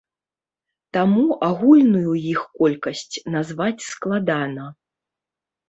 Таму агульную іх колькасць назваць складана.